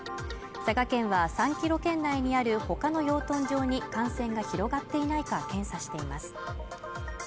佐賀県は３キロ圏内にあるほかの養豚場に感染が広がっていないか検査しています